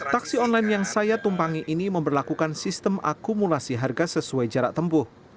taksi online yang saya tumpangi ini memperlakukan sistem akumulasi harga sesuai jarak tempuh